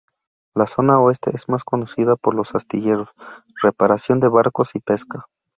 La zona Oeste es más conocida por los astilleros, reparación de barcos y pesca.